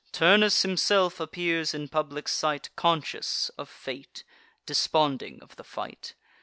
Turnus himself appears in public sight Conscious of fate, desponding of the fight.